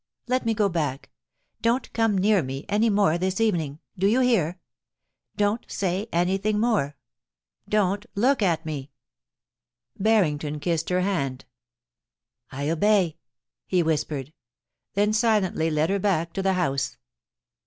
Let me go back. Don't come near me any more this evening. Do you hear ? Don't say anything more. Don't look at me !'* YOU SHALL BE MY FAITH: 241 Barrington kissed her hand ' I obey,' he whispered : then silently led her back to the house.